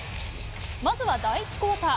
まずは第１クオーター。